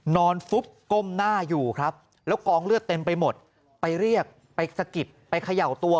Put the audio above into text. ฟุบก้มหน้าอยู่ครับแล้วกองเลือดเต็มไปหมดไปเรียกไปสะกิดไปเขย่าตัว